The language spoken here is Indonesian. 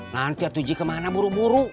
nanti tuh ji kemana buru buru